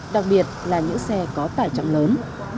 đặc biệt là những xe có tải chậm lớn